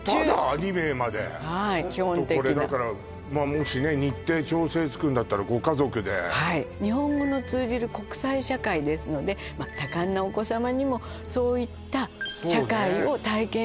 ２名まではい基本的なちょっとこれだからもしね日程調整つくんだったらご家族ではい日本語の通じる国際社会ですので多感なお子さまにもそういった社会をそうね